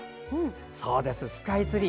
そうです、スカイツリー。